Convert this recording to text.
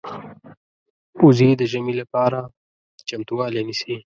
وزې د ژمې لپاره چمتووالی نیسي